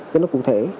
để nó cụ thể